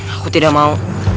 aku tidak mau